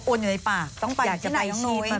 อบอ้วนอยู่ในปากอยากจะไปชิมมาพี่